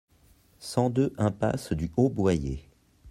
cent deux impasse du Haut Boyet